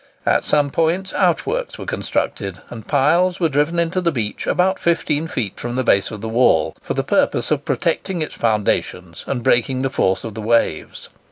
At some points outworks were constructed, and piles were driven into the beach about 15 feet from the base of the wall, for the purpose of protecting its foundations and breaking the force of the waves.